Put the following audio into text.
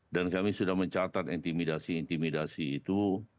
dan kami sudah mencatat intimidasi intimidasi itu